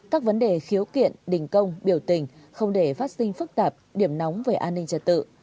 các vấn đề khiếu kiện đình công biểu tình không để phát sinh phức tạp điểm nóng về an ninh trật tự